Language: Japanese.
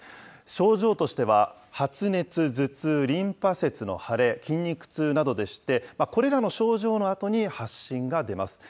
症状としては、発熱、頭痛、リンパ節の腫れ、筋肉痛などでして、これらの症状のあとに発疹が出ます。